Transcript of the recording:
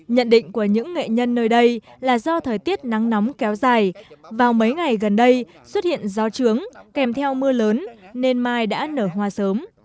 nhận định của những nghệ nhân nơi đây là do thời tiết nắng nóng kéo dài vào mấy ngày gần đây xuất hiện gió trướng kèm theo mưa lớn nên mai đã nở hoa sớm